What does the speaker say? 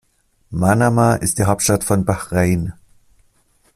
Manama ist die Hauptstadt von Bahrain.